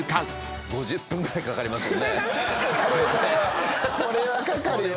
これはかかるよ。